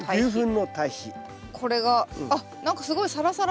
これがあっ何かすごいさらさら。